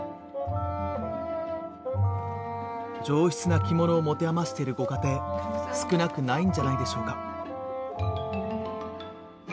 上質な着物を持て余しているご家庭少なくないんじゃないでしょうか？